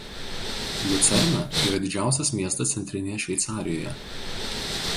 Liucerna yra didžiausias miestas centrinėje Šveicarijoje.